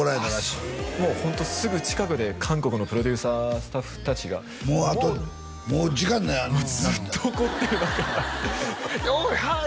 そうもうホントすぐ近くで韓国のプロデューサースタッフ達がもうもうあともう時間ないずっと怒ってる中用意はい！